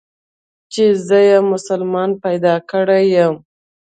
چې زه يې مسلمان پيدا کړى يم.